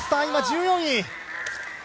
今１４位